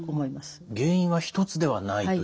原因は一つではないという。